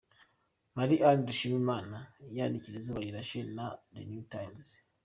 Marie Anne Dushimimana yandikira Izuba Rirashe na The New Times.